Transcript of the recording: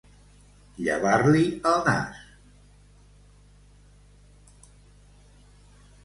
Llevar-li el nas.